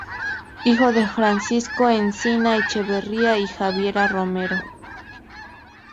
Hijo de Francisco Encina Echeverría y Javiera Romero.